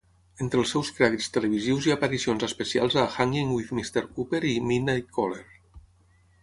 Entre els seus crèdits televisius hi ha aparicions especials a "Hangin' with Mr. Cooper" i "Midnight Caller".